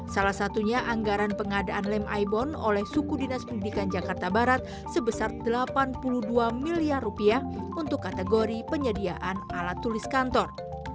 salah satunya anggaran pengadaan lem aibon oleh suku dinas pendidikan jakarta barat sebesar delapan puluh dua miliar rupiah untuk kategori penyediaan alat tulis kantor